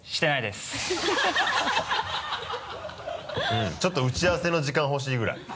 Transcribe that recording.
うんちょっと打ち合わせの時間ほしいぐらい。